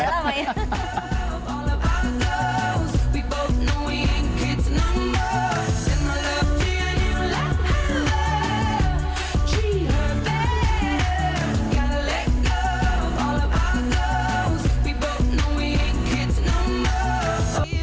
sudah lama ya